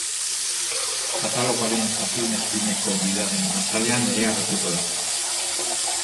Katalogoaren eta filmez filmeko gidaren azalean ere agertuko da.